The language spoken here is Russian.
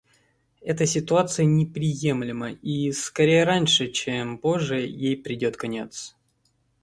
Эта ситуация неприемлема и, скорее раньше, чем позже, ей придет конец.